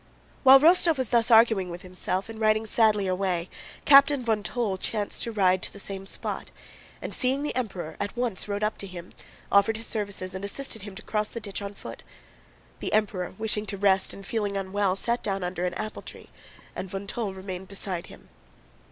While Rostóv was thus arguing with himself and riding sadly away, Captain von Toll chanced to ride to the same spot, and seeing the Emperor at once rode up to him, offered his services, and assisted him to cross the ditch on foot. The Emperor, wishing to rest and feeling unwell, sat down under an apple tree and von Toll remained beside him.